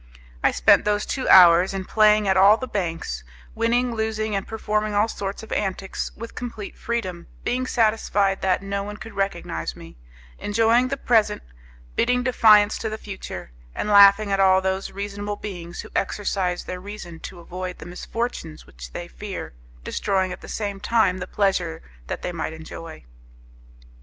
I spent those two hours in playing at all the banks, winning, losing, and performing all sorts of antics with complete freedom, being satisfied that no one could recognize me; enjoying the present, bidding defiance to the future, and laughing at all those reasonable beings who exercise their reason to avoid the misfortunes which they fear, destroying at the same time the pleasure that they might enjoy.